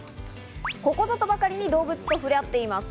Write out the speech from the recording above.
ここぞとばかりに動物と触れ合っています。